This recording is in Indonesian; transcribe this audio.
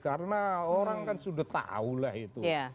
karena orang sudah tahu